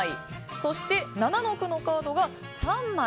そして、七の句のカードが３枚。